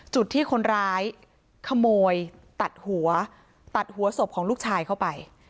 จุดที่คนร้ายขโมยตัดหัวตัดหัวศพของลูกชายเข้าไป